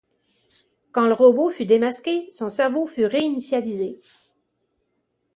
Quand le robot fut démasqué, son cerveau fut réinitialisé.